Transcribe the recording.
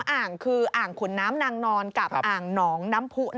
อ่างคืออ่างขุนน้ำนางนอนกับอ่างหนองน้ำผู้